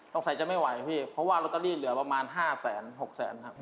สงสัยจะไม่ไหวพี่เพราะว่าลอตเตอรี่เหลือประมาณ๕แสนหกแสนครับ